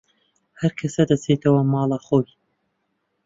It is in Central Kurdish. هەرکەسە دەچێتەوە ماڵەخۆی